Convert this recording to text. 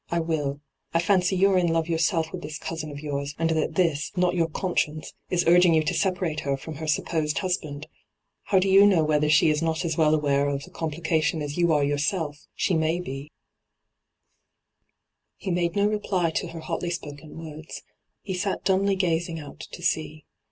I wilL I fancy you are in love your self with this cousin of yours, and that this, not your conscience, is urging you to separate her from her supposed husband I How do you know whether she is not as well aware of ENTRAPPED 207 the oompHoation as yoa are yourself? She may be/ He made no reply to her hotly spoken words. He sat dumbly gazing out to sea.